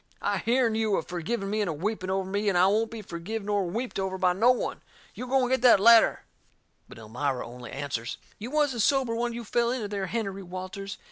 I hearn you a forgiving me and a weeping over me, and I won't be forgive nor weeped over by no one! You go and get that ladder." But Elmira only answers: "You wasn't sober when you fell into there, Hennerey Walters.